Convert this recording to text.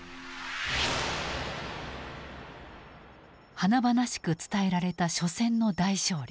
華々しく伝えられた緒戦の大勝利。